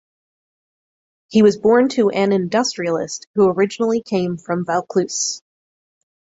He was born to an industrialist who originally came from Vaucluse.